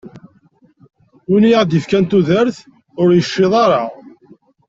Win i aɣ-d-ifkan tudert, ur yecciḍ ara.